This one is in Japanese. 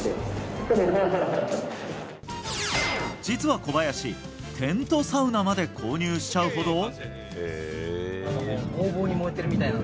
実は小林、テントサウナまで購入しちゃうほど。